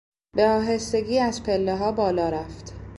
به آهستگی از پلهها بالا رفت.